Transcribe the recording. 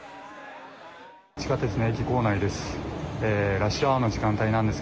地下鉄の駅構内です。